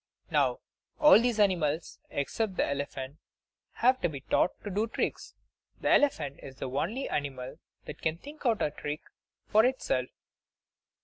Now, all these animals except the elephant have to be taught to do tricks; the elephant is the only animal that can think out a trick for itself.